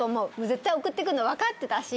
絶対送ってくんの分かってたし。